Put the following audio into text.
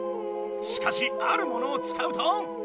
しかしあるものをつかうと？